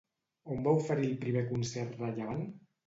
On va oferir el primer concert rellevant?